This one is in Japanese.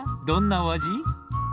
どんなお味？